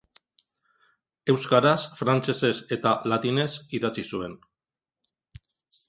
Euskaraz, frantsesez eta latinez idatzi zuen.